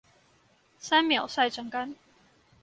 三秒曬成乾